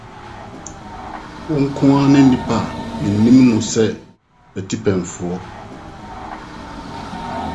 Wo nkutoo ne nipa a minim no sɛ m'atipɛnfo.